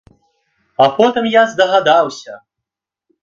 А потым я здагадаўся!